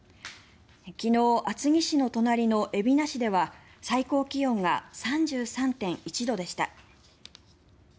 昨日、厚木市の隣の海老名市では最高気温が３３．１度でした。